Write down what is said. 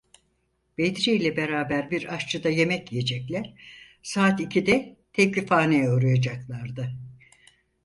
Bedri ile beraber bir aşçıda yemek yiyecekler, saat ikide tevkifhaneye uğrayacaklardı.